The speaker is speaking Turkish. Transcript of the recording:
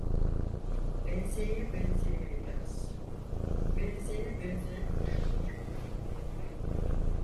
Benzeye benzeye yaz, benzeye benzeye kış olur.